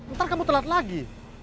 ntar kamu telat lagi